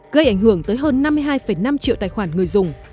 gây ảnh hưởng tới hơn năm mươi hai năm triệu tài khoản người dùng